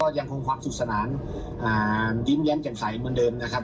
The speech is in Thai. ยังคงความสุขสนานยิ้มแย้มแจ่มใสเหมือนเดิมนะครับ